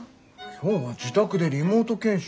今日は自宅でリモート研修。